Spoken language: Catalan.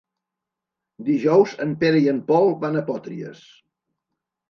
Dijous en Pere i en Pol van a Potries.